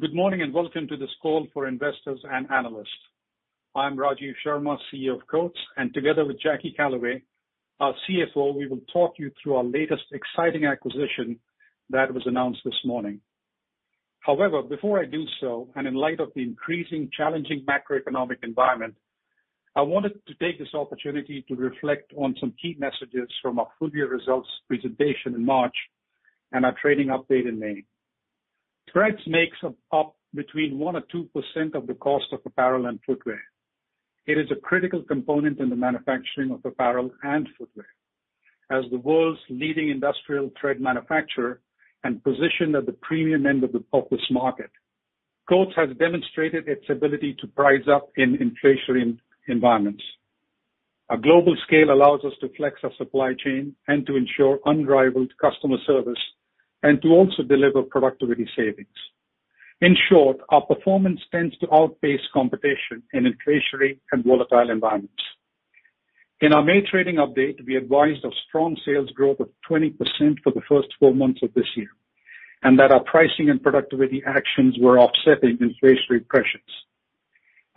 Good morning, and welcome to this call for investors and analysts. I'm Rajiv Sharma, CEO of Coats, and together with Jackie Callaway, our CFO, we will talk you through our latest exciting acquisition that was announced this morning. However, before I do so, and in light of the increasingly challenging macroeconomic environment, I wanted to take this opportunity to reflect on some key messages from our full year results presentation in March and our trading update in May. Threads makes up between 1% or 2% of the cost of apparel and footwear. It is a critical component in the manufacturing of apparel and footwear. As the world's leading industrial thread manufacturer and positioned at the premium end of the populace market, Coats has demonstrated its ability to price up in inflationary environments. Our global scale allows us to flex our supply chain and to ensure unrivaled customer service and to also deliver productivity savings. In short, our performance tends to outpace competition in inflationary and volatile environments. In our May trading update, we advised of strong sales growth of 20% for the first four months of this year, and that our pricing and productivity actions were offsetting inflationary pressures.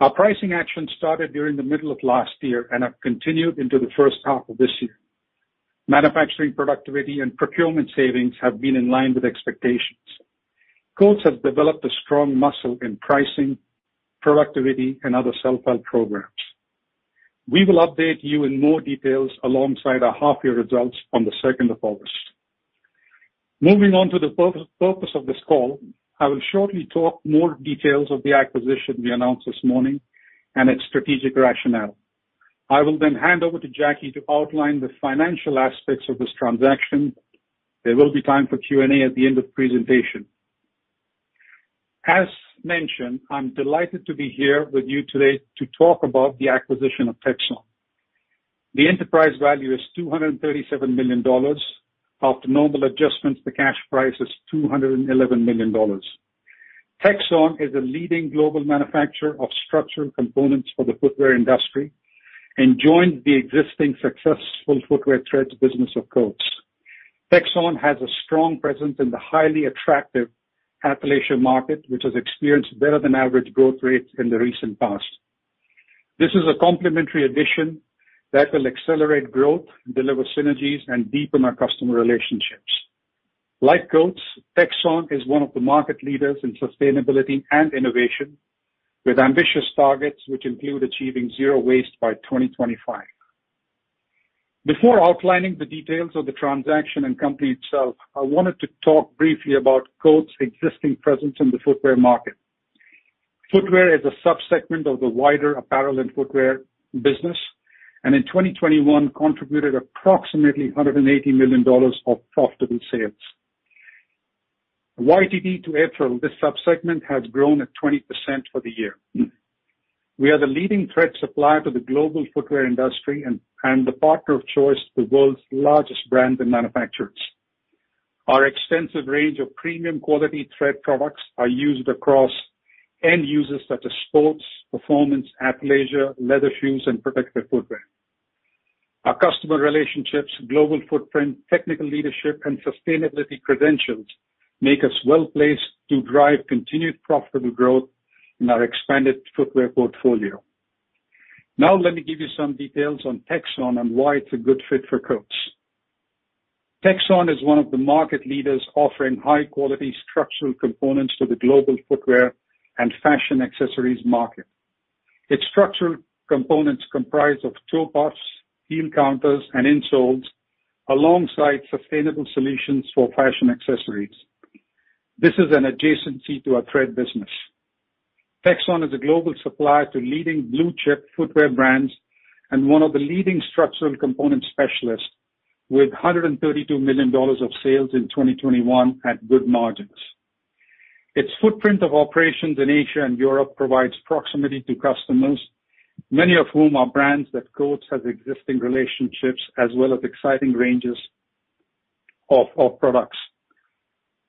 Our pricing actions started during the middle of last year and have continued into the first half of this year. Manufacturing productivity and procurement savings have been in line with expectations. Coats has developed a strong muscle in pricing, productivity, and other self-help programs. We will update you in more details alongside our half year results on the second of August. Moving on to the purpose of this call, I will shortly talk more details of the acquisition we announced this morning and its strategic rationale. I will then hand over to Jackie to outline the financial aspects of this transaction. There will be time for Q&A at the end of the presentation. As mentioned, I'm delighted to be here with you today to talk about the acquisition of Texon. The enterprise value is $237 million. After normal adjustments, the cash price is $211 million. Texon is a leading global manufacturer of structural components for the footwear industry and joined the existing successful footwear threads business of Coats. Texon has a strong presence in the highly attractive athleisure market, which has experienced better than average growth rates in the recent past. This is a complementary addition that will accelerate growth, deliver synergies, and deepen our customer relationships. Like Coats, Texon is one of the market leaders in sustainability and innovation, with ambitious targets which include achieving zero waste by 2025. Before outlining the details of the transaction and company itself, I wanted to talk briefly about Coats' existing presence in the footwear market. Footwear is a subsegment of the wider apparel and footwear business, and in 2021 contributed approximately $180 million of profitable sales. YTD to April, this subsegment has grown at 20% for the year. We are the leading thread supplier to the global footwear industry and the partner of choice for the world's largest brands and manufacturers. Our extensive range of premium quality thread products are used across end uses such as sports, performance, athleisure, leather shoes, and protective footwear. Our customer relationships, global footprint, technical leadership, and sustainability credentials make us well-placed to drive continued profitable growth in our expanded footwear portfolio. Now let me give you some details on Texon and why it's a good fit for Coats. Texon is one of the market leaders offering high-quality structural components to the global footwear and fashion accessories market. Its structural components comprise of toe puffs, heel counters, and insoles, alongside sustainable solutions for fashion accessories. This is an adjacency to our thread business. Texon is a global supplier to leading blue-chip footwear brands and one of the leading structural component specialists, with $132 million of sales in 2021 at good margins. Its footprint of operations in Asia and Europe provides proximity to customers, many of whom are brands that Coats has existing relationships as well as exciting ranges of products.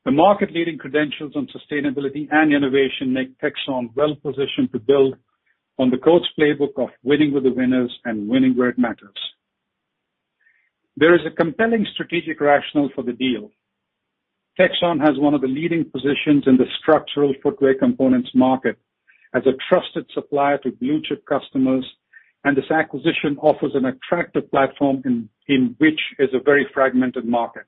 The market-leading credentials on sustainability and innovation make Texon well-positioned to build on the Coats playbook of winning with the winners and winning where it matters. There is a compelling strategic rationale for the deal. Texon has one of the leading positions in the structural footwear components market as a trusted supplier to blue-chip customers, and this acquisition offers an attractive platform in which is a very fragmented market.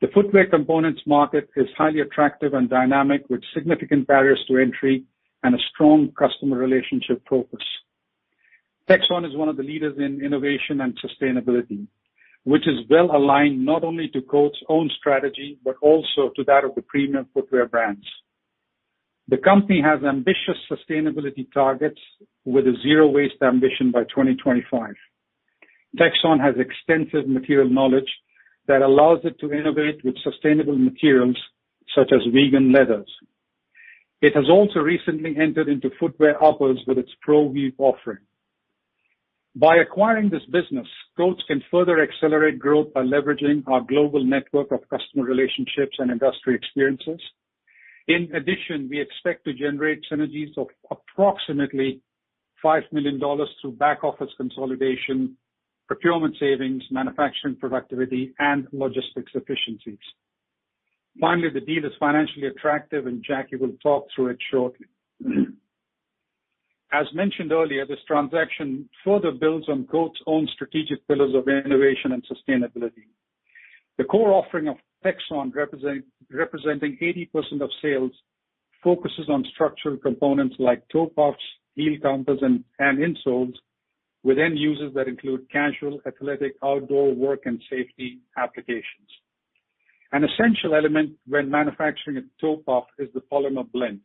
The footwear components market is highly attractive and dynamic, with significant barriers to entry and a strong customer relationship focus. Texon is one of the leaders in innovation and sustainability, which is well aligned not only to Coats' own strategy, but also to that of the premium footwear brands. The company has ambitious sustainability targets with a zero waste ambition by 2025. Texon has extensive material knowledge that allows it to innovate with sustainable materials such as vegan leathers. It has also recently entered into footwear uppers with its ProWeave offering. By acquiring this business, Coats can further accelerate growth by leveraging our global network of customer relationships and industry experiences. In addition, we expect to generate synergies of approximately $5 million through back office consolidation, procurement savings, manufacturing productivity, and logistics efficiencies. Finally, the deal is financially attractive and Jackie will talk through it shortly. As mentioned earlier, this transaction further builds on Coats' own strategic pillars of innovation and sustainability. The core offering of Texon, representing 80% of sales, focuses on structural components like toe puffs, heel counters, and insoles, with end users that include casual, athletic, outdoor, work, and safety applications. An essential element when manufacturing a toe puff is the polymer blend,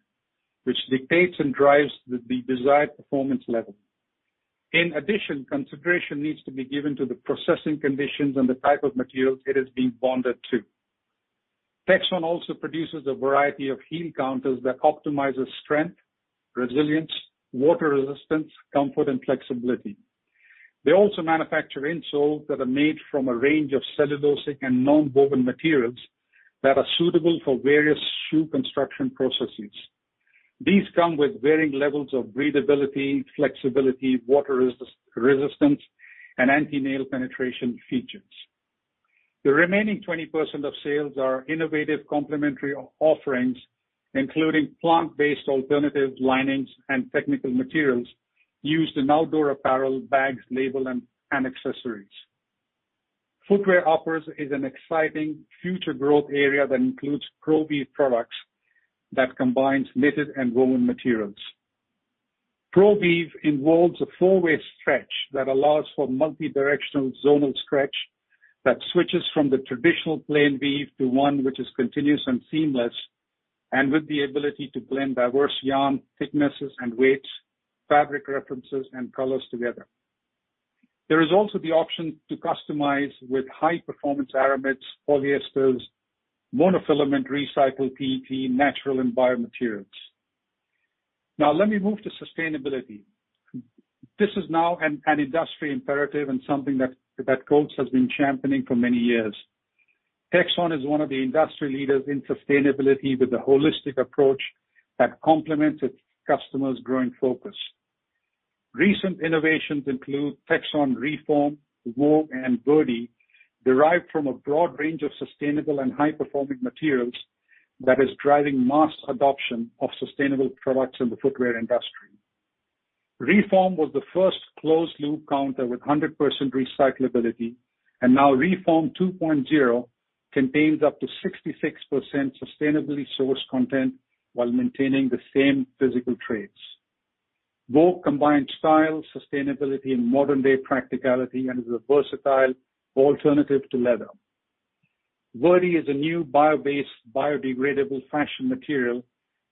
which dictates and drives the desired performance level. In addition, consideration needs to be given to the processing conditions and the type of materials it is being bonded to. Texon also produces a variety of heel counters that optimizes strength, resilience, water resistance, comfort and flexibility. They also manufacture insoles that are made from a range of cellulosic and nonwoven materials that are suitable for various shoe construction processes. These come with varying levels of breathability, flexibility, water resistance, and anti-nail penetration features. The remaining 20% of sales are innovative complementary offerings, including plant-based alternative linings and technical materials used in outdoor apparel, bags, labels and accessories. Footwear uppers is an exciting future growth area that includes ProWeave products that combines knitted and woven materials. ProWeave involves a four-way stretch that allows for multidirectional zonal stretch that switches from the traditional plain weave to one which is continuous and seamless, and with the ability to blend diverse yarn thicknesses and weights, fabric references, and colors together. There is also the option to customize with high performance aramids, polyesters, monofilament, recycled PET, natural and bio materials. Now let me move to sustainability. This is now an industry imperative and something that Coats has been championing for many years. Texon is one of the industry leaders in sustainability with a holistic approach that complements its customers' growing focus. Recent innovations include Texon Reform, Texon Vogue, and Verde, derived from a broad range of sustainable and high-performing materials that is driving mass adoption of sustainable products in the footwear industry. Reform was the first closed-loop counter with 100% recyclability, and now Reform 2.0 contains up to 66% sustainably sourced content while maintaining the same physical traits. Vogue combines style, sustainability, and modern-day practicality and is a versatile alternative to leather. Verde is a new bio-based, biodegradable fashion material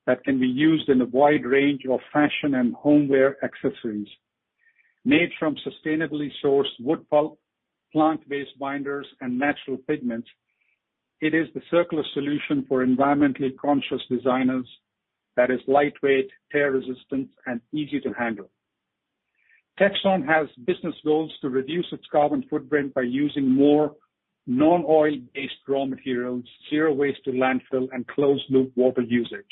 that can be used in a wide range of fashion and homeware accessories. Made from sustainably sourced wood pulp, plant-based binders and natural pigments, it is the circular solution for environmentally conscious designers that is lightweight, tear-resistant and easy to handle. Texon has business goals to reduce its carbon footprint by using more non-oil-based raw materials, zero waste to landfill and closed-loop water usage.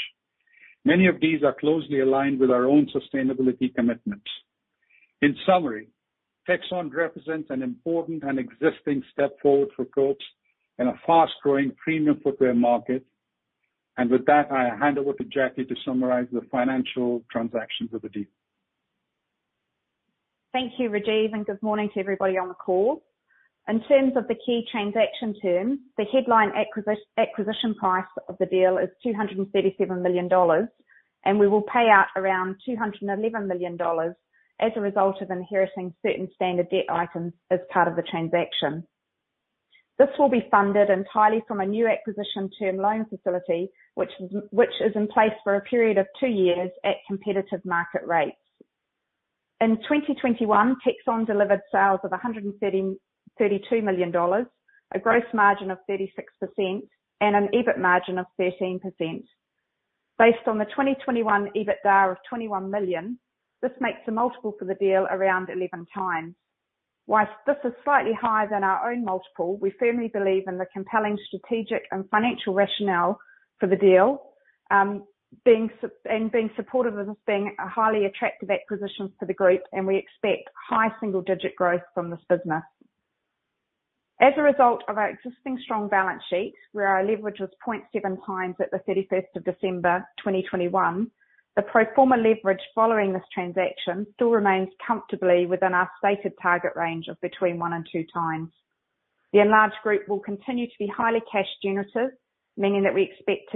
Many of these are closely aligned with our own sustainability commitments. In summary, Texon represents an important and exciting step forward for Coats in a fast-growing premium footwear market. With that, I hand over to Jackie to summarize the financial transactions of the deal. Thank you, Rajiv, and good morning to everybody on the call. In terms of the key transaction terms, the headline acquisition price of the deal is $237 million, and we will pay out around $211 million as a result of inheriting certain standard debt items as part of the transaction. This will be funded entirely from a new acquisition term loan facility, which is in place for a period of two years at competitive market rates. In 2021, Texon delivered sales of $132 million, a gross margin of 36% and an EBIT margin of 13%. Based on the 2021 EBITDA of $21 million, this makes a multiple for the deal around 11x. While this is slightly higher than our own multiple, we firmly believe in the compelling strategic and financial rationale for the deal, being supportive of this being a highly attractive acquisition for the group, and we expect high single-digit growth from this business. As a result of our existing strong balance sheet, where our leverage was 0.7x at the 31st of December 2021, the pro forma leverage following this transaction still remains comfortably within our stated target range of between one and two times. The enlarged group will continue to be highly cash generative, meaning that we expect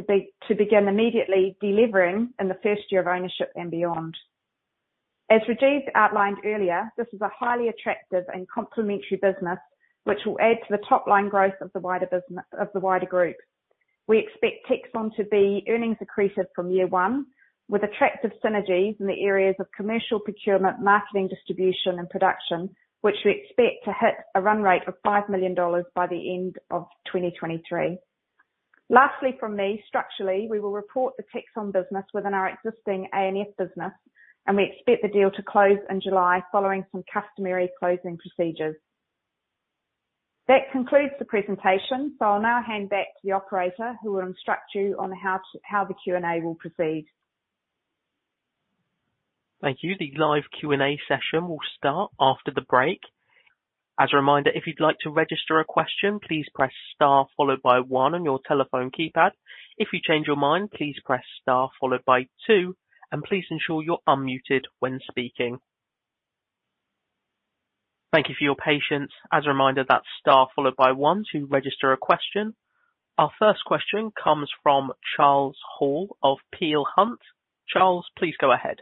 to begin immediately delivering in the first year of ownership and beyond. As Rajiv outlined earlier, this is a highly attractive and complementary business which will add to the top line growth of the wider group. We expect Texon to be earnings accretive from year one, with attractive synergies in the areas of commercial procurement, marketing, distribution and production, which we expect to hit a run rate of $5 million by the end of 2023. Lastly from me, structurally, we will report the Texon business within our existing A&F business, and we expect the deal to close in July following some customary closing procedures. That concludes the presentation. I'll now hand back to the operator, who will instruct you on how the Q&A will proceed. Thank you. The live Q&A session will start after the break. As a reminder, if you'd like to register a question, please press star followed by one on your telephone keypad. If you change your mind, please press star followed by two, and please ensure you're unmuted when speaking. Thank you for your patience. As a reminder, that's star followed by one to register a question. Our first question comes from Charles Hall of Peel Hunt. Charles, please go ahead.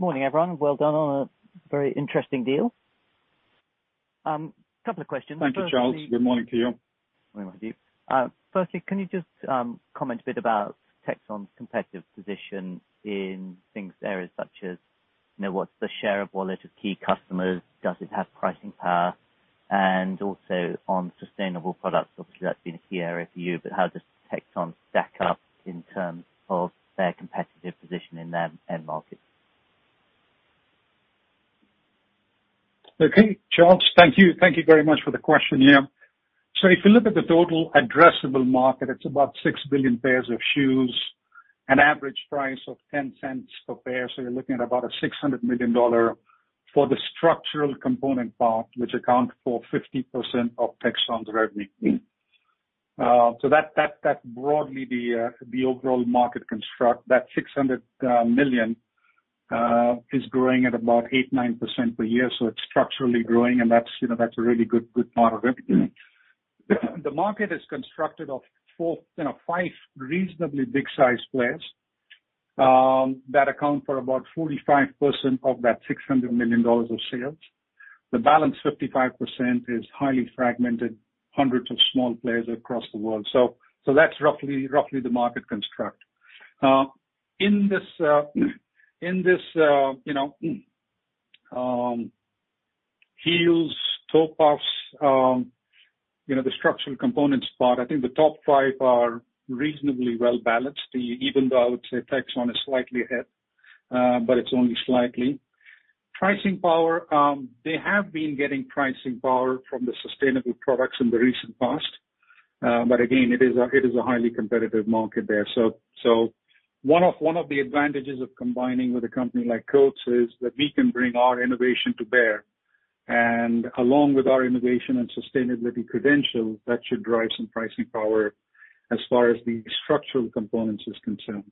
Morning, everyone. Well done on a very interesting deal. Couple of questions. Thank you, Charles. Good morning to you. Morning, Rajiv. Firstly, can you just comment a bit about Texon's competitive position in things, areas such as, you know, what's the share of wallet of key customers? Does it have pricing power? Also on sustainable products, obviously that's been a key area for you. How does Texon stack up in terms of their competitive position in their end market? Okay, Charles. Thank you. Thank you very much for the question. Yeah. If you look at the total addressable market, it's about 6 billion pairs of shoes, an average price of $0.10 per pair, so you're looking at about $600 million for the structural component part, which accounts for 50% of Texon's revenue. That broadly the overall market construct, that $600 million is growing at about 8%-9% per year, so it's structurally growing, and that's, you know, that's a really good part of it. The market is constructed of four, no, five reasonably big sized players, that account for about 45% of that $600 million of sales. The balance, 55% is highly fragmented, hundreds of small players across the world. That's roughly the market construct. In this, you know, heels, toe puffs, you know, the structural components part, I think the top five are reasonably well balanced, even though I would say Texon is slightly ahead, but it's only slightly. Pricing power, they have been getting pricing power from the sustainable products in the recent past. Again, it is a highly competitive market there. One of the advantages of combining with a company like Coats is that we can bring our innovation to bear. Along with our innovation and sustainability credentials, that should drive some pricing power as far as the structural components is concerned.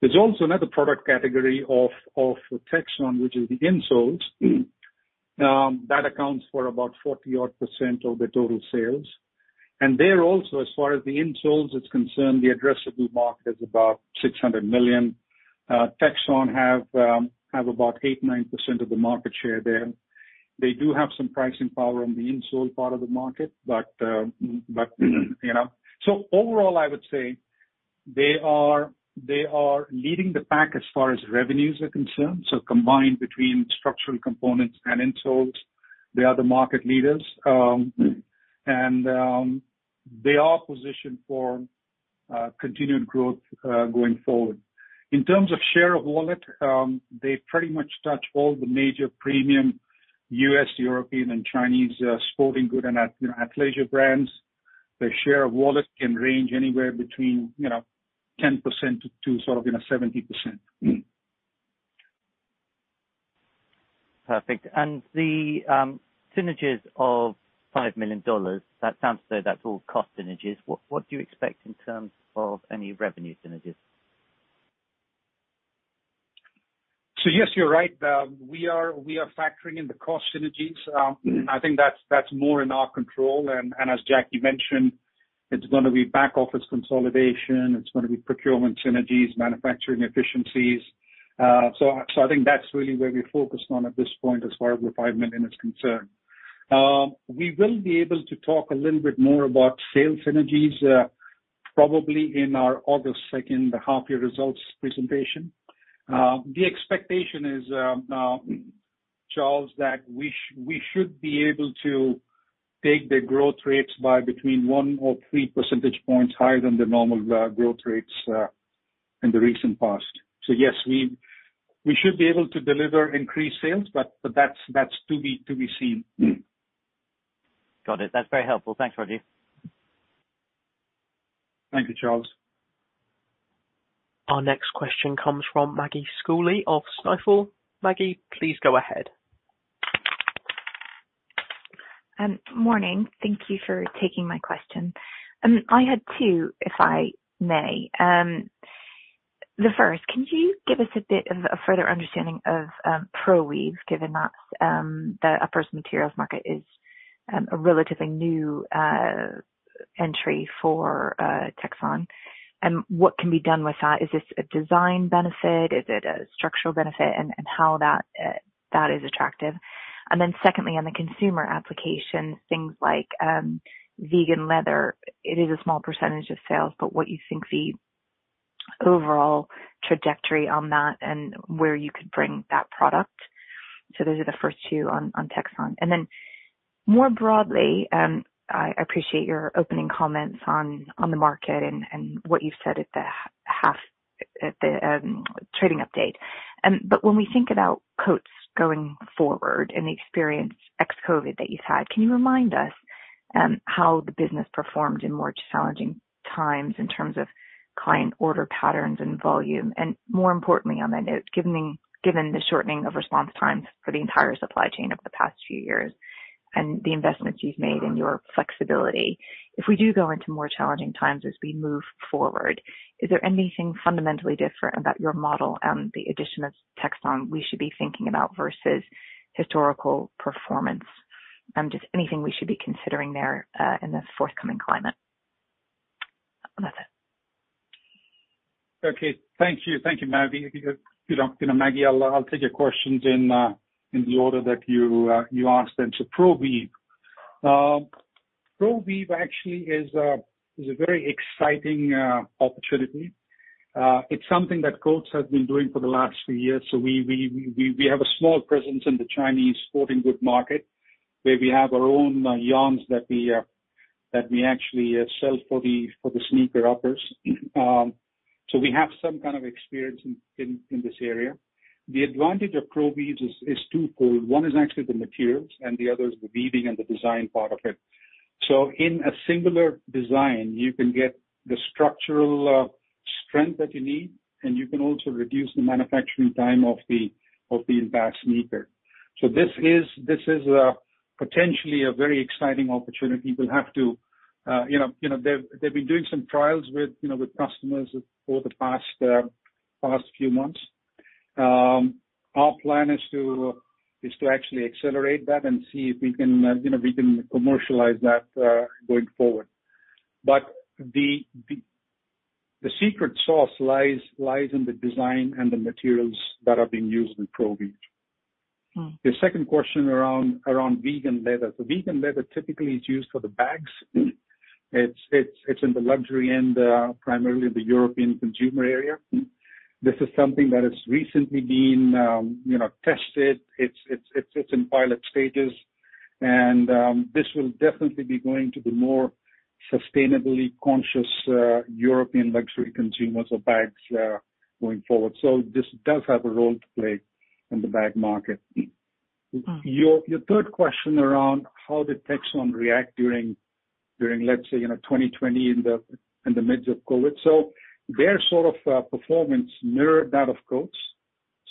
There's also another product category of Texon, which is the insoles, that accounts for about 40-odd percent of the total sales. There also, as far as the insoles is concerned, the addressable market is about $600 million. Texon have about 8%-9% of the market share there. They do have some pricing power on the insole part of the market, but you know. Overall, I would say they are leading the pack as far as revenues are concerned. Combined between structural components and insoles, they are the market leaders. They are positioned for continued growth going forward. In terms of share of wallet, they pretty much touch all the major premium U.S., European, and Chinese sporting good and athleisure brands. Their share of wallet can range anywhere between, you know, 10% to sort of, you know, 70%. Perfect. The synergies of $5 million, that sounds as though that's all cost synergies. What do you expect in terms of any revenue synergies? Yes, you're right. We are factoring in the cost synergies. I think that's more in our control. As Jackie mentioned, it's gonna be back office consolidation. It's gonna be procurement synergies, manufacturing efficiencies. I think that's really where we're focused on at this point as far as the $5 million is concerned. We will be able to talk a little bit more about sales synergies, probably in our August second half-year results presentation. The expectation is, Charles, that we should be able to take the growth rates by between 1 or 3 percentage points higher than the normal growth rates in the recent past. Yes, we should be able to deliver increased sales, but that's to be seen. Got it. That's very helpful. Thanks, Rajiv. Thank you, Charles. Our next question comes from Maggie Schooley of Stifel. Maggie, please go ahead. Morning. Thank you for taking my question. I had two, if I may. The first, can you give us a bit of a further understanding of ProWeave, given that the upper materials market is a relatively new entry for Texon, and what can be done with that? Is this a design benefit? Is it a structural benefit? How that is attractive. Then secondly, on the consumer application, things like vegan leather. It is a small percentage of sales, but what you think the overall trajectory on that and where you could bring that product. Those are the first two on Texon. Then more broadly, I appreciate your opening comments on the market and what you've said at the half, the trading update. When we think about Coats going forward and the experience ex-COVID that you've had, can you remind us how the business performed in more challenging times in terms of client order patterns and volume? More importantly on that note, given the shortening of response times for the entire supply chain over the past few years and the investments you've made in your flexibility, if we do go into more challenging times as we move forward, is there anything fundamentally different about your model and the addition of Texon we should be thinking about versus historical performance? Just anything we should be considering there in this forthcoming climate. That's it. Okay. Thank you. Thank you, Maggie. You know, Maggie, I'll take your questions in the order that you asked them. ProWeave actually is a very exciting opportunity. It's something that Coats has been doing for the last few years. We have a small presence in the Chinese sporting goods market where we have our own yarns that we actually sell for the sneaker uppers. We have some kind of experience in this area. The advantage of ProWeave is twofold. One is actually the materials and the other is the weaving and the design part of it. In a singular design, you can get the structural strength that you need, and you can also reduce the manufacturing time of the entire sneaker. This is potentially a very exciting opportunity. We'll have to. They have been doing some trials with customers over the past few months. Our plan is to actually accelerate that and see if we can commercialize that going forward. The secret sauce lies in the design and the materials that are being used in ProWeave. Mm-hmm. The second question around vegan leather. The vegan leather typically is used for the bags. It's in the luxury and primarily the European consumer area. This is something that has recently been, you know, tested. It's in pilot stages. This will definitely be going to the more sustainably conscious European luxury consumers of bags going forward. This does have a role to play in the bag market. Mm-hmm. Your third question around how Texon reacted during, let's say, you know, 2020 in the midst of COVID. Their sort of performance mirrored that of Coats.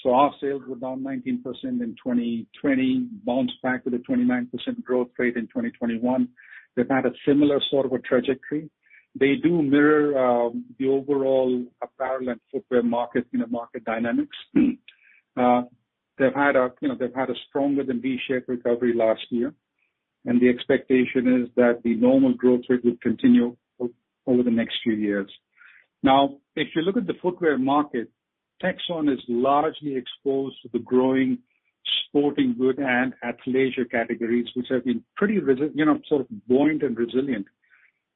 Our sales were down 19% in 2020, bounced back with a 29% growth rate in 2021. They've had a similar sort of trajectory. They do mirror the overall apparel and footwear market, you know, market dynamics. They've had a stronger than V-shaped recovery last year, and the expectation is that the normal growth rate would continue over the next few years. Now, if you look at the footwear market, Texon is largely exposed to the growing sporting goods and athleisure categories, which have been pretty, you know, sort of buoyant and resilient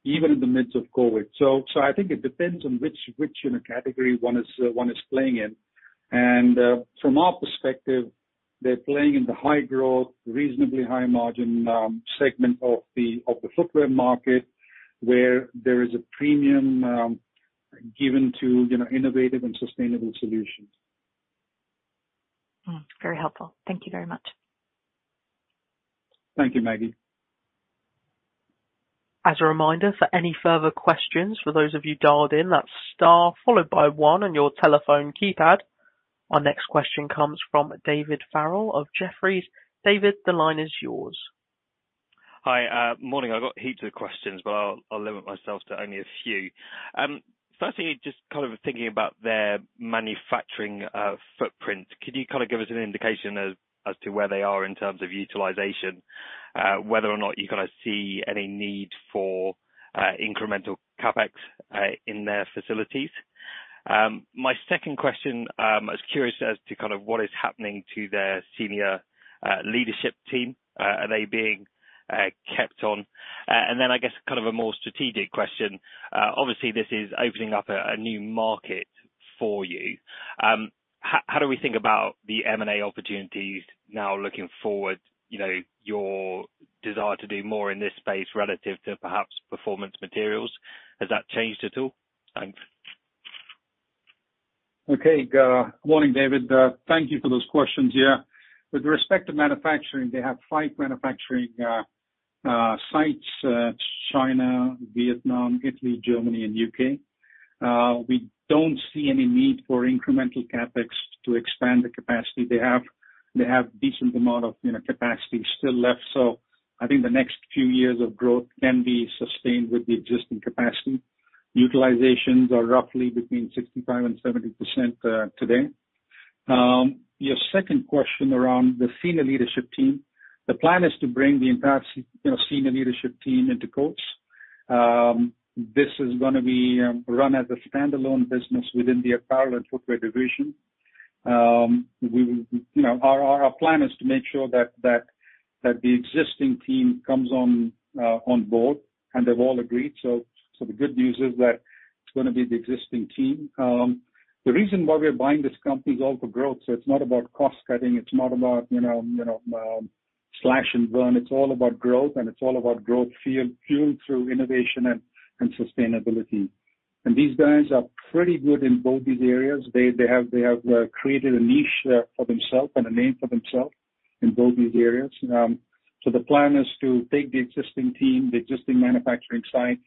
even in the midst of COVID. I think it depends on which, you know, category one is playing in. From our perspective, they're playing in the high growth, reasonably high margin, segment of the footwear market where there is a premium, given to, you know, innovative and sustainable solutions. Mm-hmm. Very helpful. Thank you very much. Thank you, Maggie. As a reminder, for any further questions for those of you dialed in, that's star followed by one on your telephone keypad. Our next question comes from David Farrell of Jefferies. David, the line is yours. Hi. Morning. I've got heaps of questions, but I'll limit myself to only a few. Firstly, just kind of thinking about their manufacturing footprint. Could you kind of give us an indication as to where they are in terms of utilization? Whether or not you kinda see any need for incremental CapEx in their facilities? My second question, I was curious as to kind of what is happening to their senior leadership team. Are they being kept on? I guess kind of a more strategic question. Obviously this is opening up a new market for you. How do we think about the M&A opportunities now looking forward, you know, your desire to do more in this space relative to perhaps performance materials? Has that changed at all? Thanks. Okay. Morning, David. Thank you for those questions here. With respect to manufacturing, they have five manufacturing sites, China, Vietnam, Italy, Germany and U.K. We don't see any need for incremental CapEx to expand the capacity they have. They have decent amount of, you know, capacity still left. I think the next few years of growth can be sustained with the existing capacity. Utilizations are roughly between 65%-70% today. Your second question around the senior leadership team. The plan is to bring the entire you know, senior leadership team into Coats. This is gonna be run as a standalone business within the apparel and footwear division. We will, you know, our plan is to make sure that the existing team comes on board, and they've all agreed. The good news is that it's gonna be the existing team. The reason why we are buying this company is all for growth. It's not about cost cutting, it's not about, you know, slash and burn. It's all about growth, and it's all about growth fueled through innovation and sustainability. These guys are pretty good in both these areas. They have created a niche for themselves and a name for themselves in both these areas. The plan is to take the existing team, the existing manufacturing site,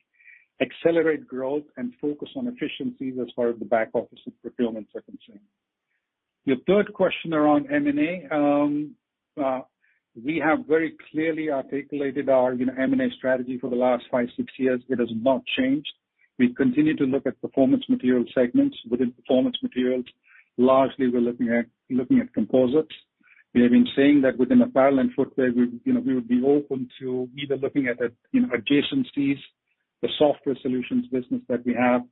accelerate growth, and focus on efficiencies as far as the back office and fulfillment second team. Your third question around M&A. We have very clearly articulated our, you know, M&A strategy for the last five, six years. It has not changed. We continue to look at performance material segments. Within performance materials, largely, we're looking at composites. We have been saying that within apparel and footwear, you know, we would be open to either looking at, you know, adjacencies, the software solutions business that we have,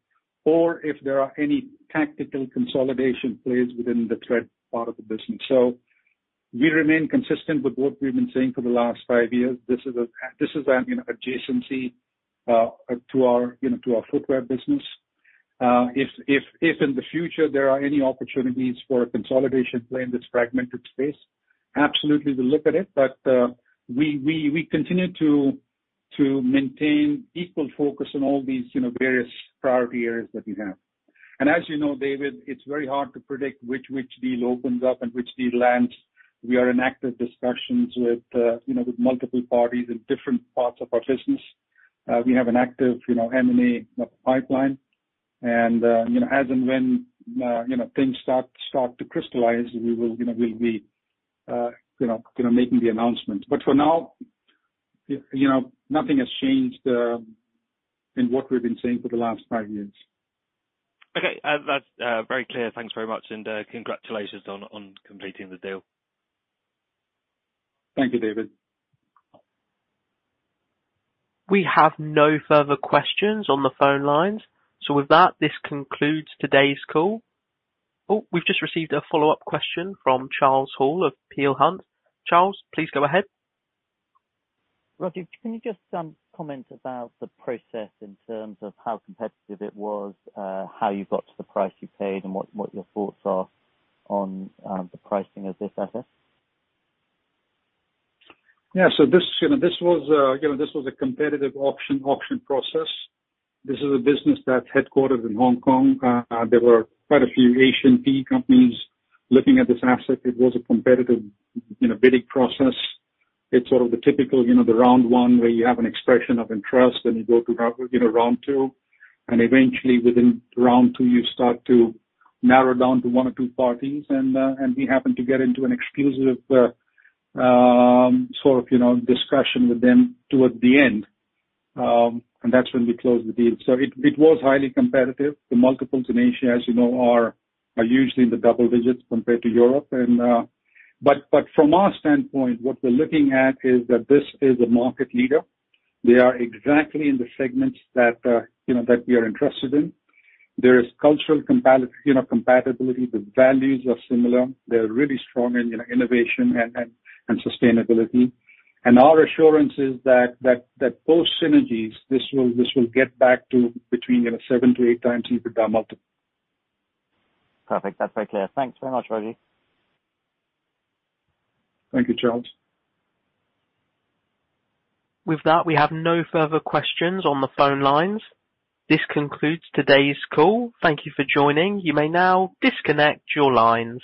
or if there are any tactical consolidation plays within the thread part of the business. We remain consistent with what we've been saying for the last five years. This is an, you know, adjacency to our footwear business. If in the future there are any opportunities for a consolidation play in this fragmented space, absolutely we'll look at it. We continue to maintain equal focus on all these, you know, various priority areas that we have. As you know, David, it's very hard to predict which deal opens up and which deal lands. We are in active discussions with, you know, with multiple parties in different parts of our business. We have an active, you know, M&A pipeline. As and when, you know, things start to crystallize, we will, you know, we'll be, you know, gonna making the announcement. But for now, you know, nothing has changed in what we've been saying for the last five years. Okay. That's very clear. Thanks very much, and congratulations on completing the deal. Thank you, David. We have no further questions on the phone lines. With that, this concludes today's call. Oh, we've just received a follow-up question from Charles Hall of Peel Hunt. Charles, please go ahead. Rajiv, can you just comment about the process in terms of how competitive it was, how you got to the price you paid, and what your thoughts are on the pricing of this asset? Yeah. This, you know, this was a competitive auction process. This is a business that's headquartered in Hong Kong. There were quite a few Asian PE companies looking at this asset. It was a competitive, you know, bidding process. It's sort of the typical, you know, the round one where you have an expression of interest, then you go to round two. Eventually within round two, you start to narrow down to one or two parties, and we happen to get into an exclusive, sort of, you know, discussion with them towards the end. That's when we closed the deal. It was highly competitive. The multiples in Asia are usually in the double digits compared to Europe. From our standpoint, what we're looking at is that this is a market leader. They are exactly in the segments that you know that we are interested in. There is cultural compatibility. The values are similar. They're really strong in you know innovation and sustainability. Our assurance is that post synergies this will get back to between you know 7x-8x EBITDA multiple. Perfect. That's very clear. Thanks very much, Rajiv. Thank you, Charles. With that, we have no further questions on the phone lines. This concludes today's call. Thank you for joining. You may now disconnect your lines.